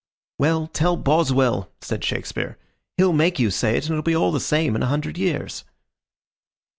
"Well, tell Boswell," said Shakespeare. "He'll make you say it, and it'll be all the same in a hundred years."